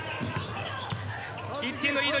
１点のリード